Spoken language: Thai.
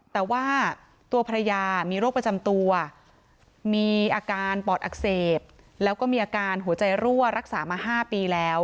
แต่ว่าตัวภรรยามีโรคประจำตัวมีอาการปอดอักเสบแล้วก็มีอาการหัวใจรั่วรักษามา๕ปีแล้ว